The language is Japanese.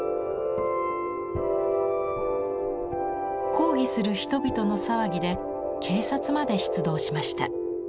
抗議する人々の騒ぎで警察まで出動しました。